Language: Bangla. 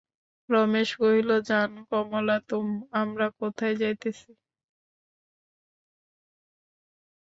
রমেশ কহিল, জান, কমলা, আমরা কোথায় যাইতেছি?